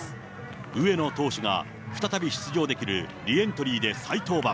上野投手が再び出場できるリエントリーで再登板。